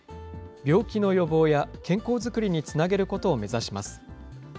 病気の予防や、健康作りにつなげることを目指します。